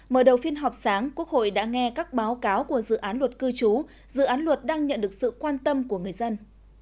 mở đầu phiên họp sáng quốc hội đã nghe các báo cáo của dự án luật cư trú dự án luật đang nhận được sự quan tâm của người dân